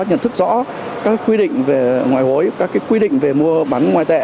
nhận thức rõ các quy định về ngoại hối các quy định về mua bán ngoại tệ